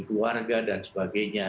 keluarga dan sebagainya